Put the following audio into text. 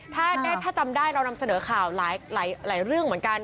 ถ้าจำได้เรานำเสนอข่าวหลายเรื่องเหมือนกัน